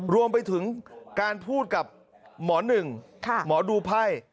รวมไปถึงการพูดกับหมอหนึ่งหมอดูไพ่